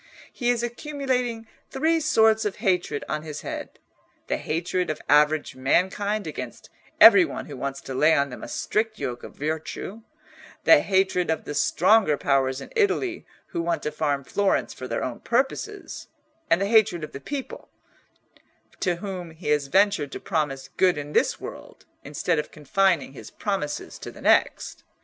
He is accumulating three sorts of hatred on his head—the hatred of average mankind against every one who wants to lay on them a strict yoke of virtue; the hatred of the stronger powers in Italy who want to farm Florence for their own purposes; and the hatred of the people, to whom he has ventured to promise good in this world, instead of confining his promises to the next.